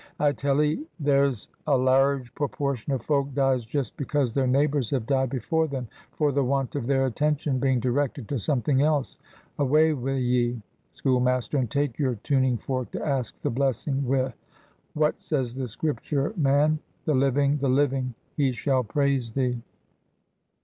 "I tell ye there's a lairge proportion of folk dies just because their neighbors have died before them, for the want of their attention being directed to something else. Away wi' ye, schoolmaster, and take your tuning fork to ask the blessing wi'. What says the Scripture, man? 'The living, the living, he shall praise Thee!